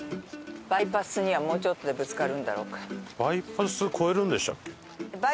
バイパスにはもうちょっとでぶつかるんだろうか？